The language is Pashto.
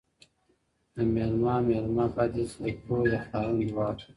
¬ د مېلمه، مېلمه بد اېسي د کور، د خاوند دواړه.